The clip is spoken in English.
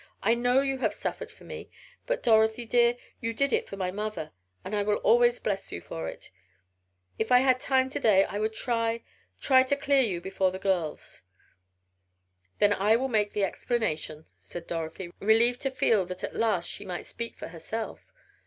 "I know you have suffered for me, but, Dorothy, dear, you did it for my mother, and I will always bless you for it. If I had time to day I would try try to clear you before the girls." "Then I will make the explanation," said Dorothy, relieved to feel that at last she might speak for herself.